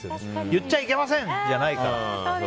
言っちゃいけませんじゃないから。